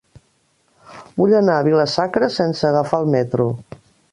Vull anar a Vila-sacra sense agafar el metro.